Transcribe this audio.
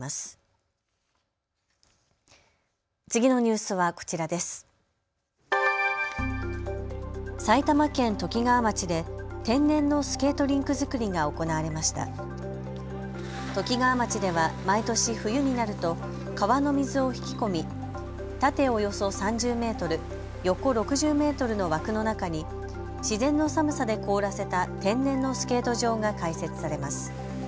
ときがわ町では毎年、冬になると川の水を引き込み縦およそ３０メートル、横６０メートルの枠の中に自然の寒さで凍らせた天然のスケート場が開設されます。